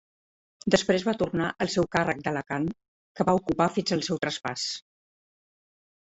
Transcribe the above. Després va tornar al seu càrrec d'Alacant, que va ocupar fins al seu traspàs.